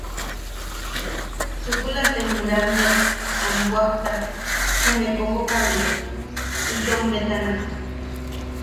Chukula te murammet am puʼaktak jume kokokame itom betana.